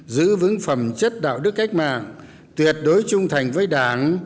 giữ vững phẩm chất đạo đức cách mạng tuyệt đối trung thành với đảng